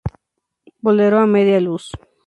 Bolero a media luz.